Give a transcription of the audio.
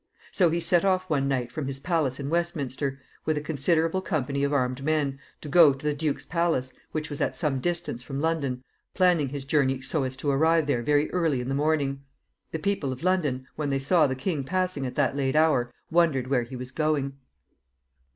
So he set off one night from his palace in Westminster, with a considerable company of armed men, to go to the duke's palace, which was at some distance from London, planning his journey so as to arrive there very early in the morning. The people of London, when they saw the king passing at that late hour, wondered where he was going.